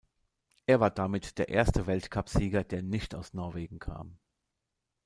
Er war damit der erste Weltcupsieger, der nicht aus Norwegen kam.